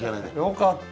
よかった